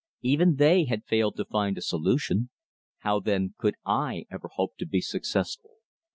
Even they had failed to find a solution! How, then, could I ever hope to be successful?